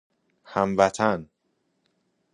هموطن